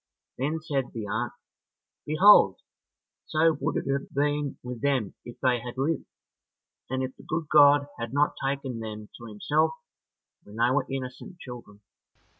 Then said the aunt, "Behold, so would it have been with them if they had lived, and if the good God had not taken them to himself when they were innocent children."